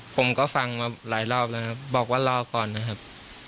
ผมก็ฟังมาหลายรอบแล้วครับบอกว่ารอก่อนนะครับ